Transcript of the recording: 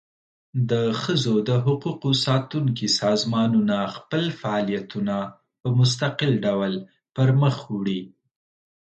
د ښځو د حقوقو ساتونکي سازمانونه خپل فعالیتونه په مستقل ډول پر مخ وړي.